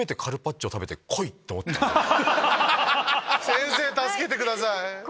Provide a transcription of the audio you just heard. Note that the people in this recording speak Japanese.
先生助けてください。